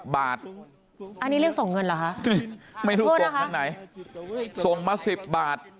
บาทอันนี้เรียกส่งเงินเหรอคะไม่รู้ส่งทางไหนส่งมา๑๐บาท